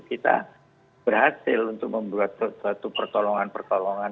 kita berhasil untuk membuat suatu pertolongan pertolongan